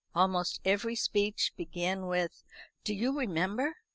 Almost every speech began with "Do you remember?"